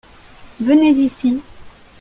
Venez ici.